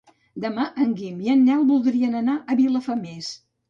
Demà en Guim i en Nel voldrien anar a Vilafamés.